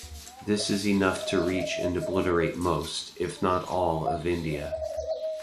This is enough to reach and obliterate most, if not all of India.